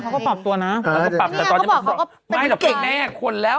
เขาปรับตัวนะแล้วก็เก่งแน่คนแล้ว